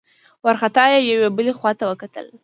وارخطا يې يوې بلې خواته وکتل.